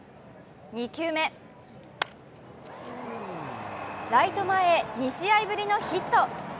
２球目、ライト前へ２試合ぶりのヒット。